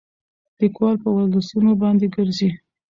ليکوال په ولسونو باندې ګرځي